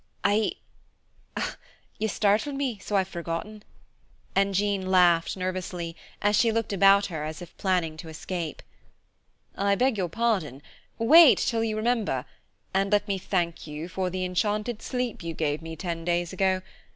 "I I you startled me so I've forgotten." And Jean laughed, nervously, as she looked about her as if planning to escape. "I beg your pardon, wait till you remember, and let me thank you for the enchanted sleep you gave me ten days ago.